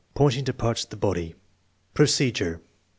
Pointing to parts of the body Procedure.